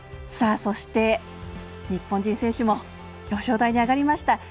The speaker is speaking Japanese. そして、日本人選手も表彰台に上がりました。